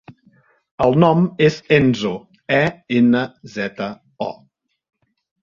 El nom és Enzo: e, ena, zeta, o.